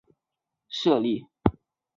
蹴球场在中美洲各处都有设立。